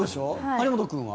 張本君は？